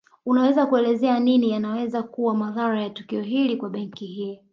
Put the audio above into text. Unaweza kuelezea nini yanaweza kuwa madhara ya tukio hili kwa benki hii